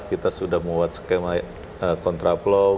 kita sudah membuat skema kontraplo